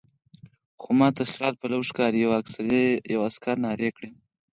خو ما ته خیال پلو ښکاري، یوه عسکر نارې کړې.